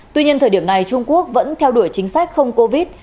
tuy nhiên thời điểm này trung quốc vẫn theo đuổi chính sách không covid